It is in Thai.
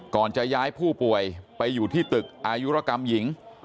จะย้ายผู้ป่วยไปอยู่ที่ตึกอายุรกรรมหญิง